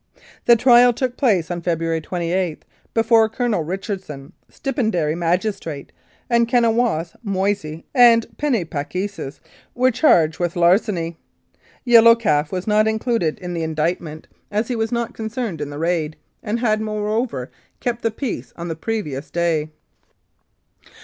The trial took place on February 28, before Colonel Richardson, stipendiary magistrate, and Kanawos, Moise and Penni pa ke sis were charged with larceny. Yellow Calf was not included in the indictment, as he 148 The Crooked Lakes Affair was not concerned in the raid, and had, moreover, kept the peace on the previous day.